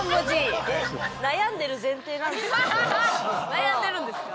悩んでるんですか？